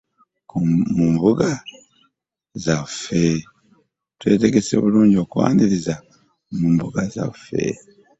Twetegese bulungi okukwaniriza mu mbuga zaffe